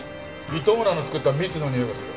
糸村の作った蜜のにおいがする。